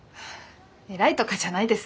偉いとかじゃないです